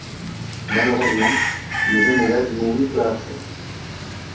Malheureusement, le jeune élève mourut peu après.